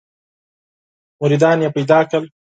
مریدان یې پیدا کړل.